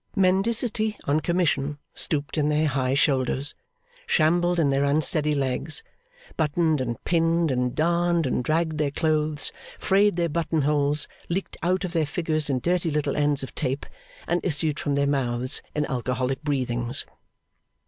Mendicity on commission stooped in their high shoulders, shambled in their unsteady legs, buttoned and pinned and darned and dragged their clothes, frayed their button holes, leaked out of their figures in dirty little ends of tape, and issued from their mouths in alcoholic breathings.